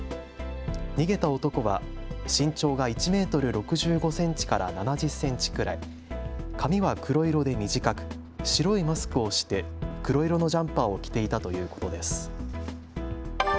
逃げた男は身長が１メートル６５センチから７０センチくらい、髪は黒色で短く、白いマスクをして黒色のジャンパーを着ていたということです。